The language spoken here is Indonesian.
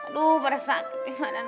aduh berasa sakit gimana